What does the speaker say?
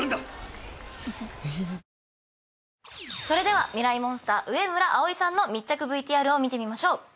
それではミライ☆モンスター上村葵さんの密着ＶＴＲを見てみましょう。